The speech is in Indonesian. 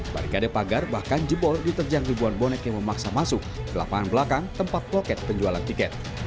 barikade pagar bahkan jebol diterjang ribuan bonek yang memaksa masuk ke lapangan belakang tempat loket penjualan tiket